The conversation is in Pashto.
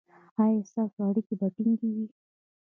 ایا ستاسو اړیکې به ټینګې وي؟